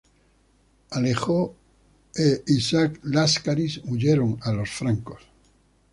Alejo e Isaac Láscaris huyeron a los francos.